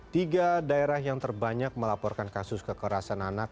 tiga daerah yang terbanyak melaporkan kasus kekerasan anak